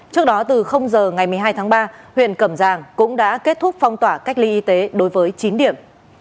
trước đó từ giờ ngày một mươi hai tháng ba huyện cẩm giàng cũng đã kết thúc phong tỏa cách ly y tế đối với chín điểm